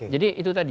jadi itu tadi